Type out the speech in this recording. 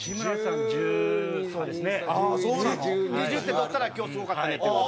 ２０点取ったら「今日すごかったね」っていう。